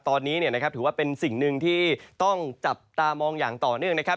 ตอนนี้ถือว่าเป็นสิ่งหนึ่งที่ต้องจับตามองอย่างต่อเนื่องนะครับ